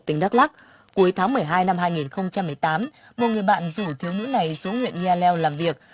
tỉnh đắk lắc cuối tháng một mươi hai năm hai nghìn một mươi tám một người bạn rủ thiếu nữ này xuống huyện yaleo làm việc